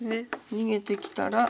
逃げてきたら。